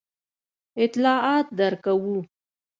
اطلاعات درکوو.